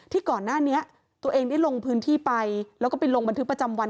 ก่อนหน้านี้ตัวเองได้ลงพื้นที่ไปแล้วก็ไปลงบันทึกประจำวัน